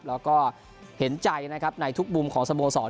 และก็เห็นใจในทุกปุ่มของสโมสรด้วย